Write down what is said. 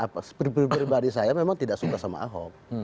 pribadi saya memang tidak suka sama ahok